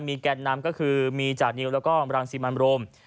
แก่นนำก็คือมีจานิวแล้วก็รังสิมันโรม